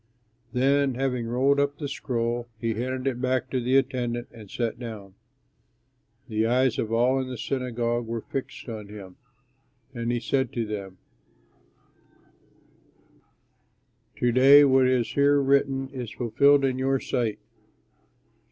Then, having rolled up the scroll, he handed it back to the attendant and sat down. The eyes of all in the synagogue were fixed on him, and he said to them, "To day what is here written is fulfilled in your sight."